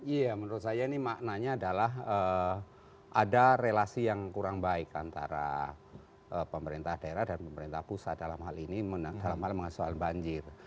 iya menurut saya ini maknanya adalah ada relasi yang kurang baik antara pemerintah daerah dan pemerintah pusat dalam hal ini dalam hal mengasuhkan banjir